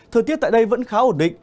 thời tiết tại đây vẫn khá ổn định